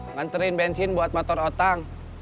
nganterin bensin buat motor otak